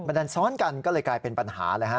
ดันซ้อนกันก็เลยกลายเป็นปัญหาเลยฮะ